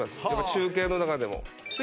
中継の中でもはあ